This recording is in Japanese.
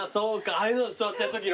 ああいうので座ってるときの。